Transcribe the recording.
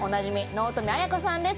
納富亜矢子さんです